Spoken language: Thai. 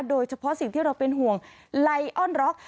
โดยเฉพาะสิ่งที่เราเป็นห่วงไลออนร็อก